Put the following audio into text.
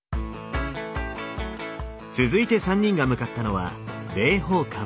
続いて３人が向かったのは霊宝館。